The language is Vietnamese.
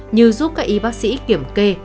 như giúp các y bác sĩ kiểm kê